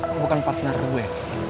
lo bukan partner gue